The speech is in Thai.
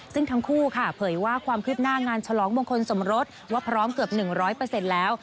ซึ่งทั้งคู่ค่ะเผยว่าความคืบหน้างานฉลองมงคลสมรสว่าพร้อมเกือบ๑๐๐แล้ว